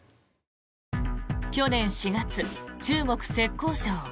去年４月、中国・浙江省。